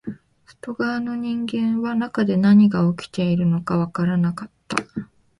外側の人間は中で何が起きているのかわからなかった